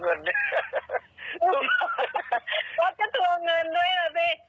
รู้สึกอันเมื่อวานมัน๖๐๐๐แล้วอัน๙มันมี๒๐๐๐